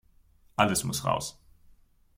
Alles muss raus.